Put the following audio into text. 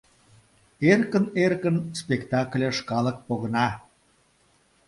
Эркын-эркын спектакльыш калык погына.